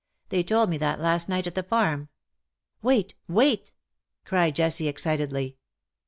They told me that last night at the farm. Wait ! wait V' cried Jessie, excitedly.